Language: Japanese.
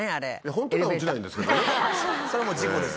それもう事故です。